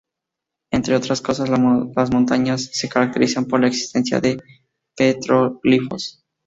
Entre otras cosas, las montañas se caracterizan por la existencia de petroglifos.